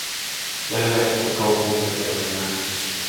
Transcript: Ja he lähtivät kaupungille kävelemään.